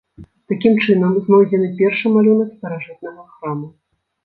Такім чынам, знойдзены першы малюнак старажытнага храма.